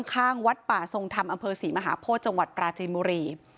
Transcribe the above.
ข้างวัดป่าทรงธรรมอำเภอศรีมหาโพธิจังหวัดปราจีนบุรี